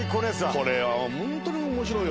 「これはホントに面白いよね」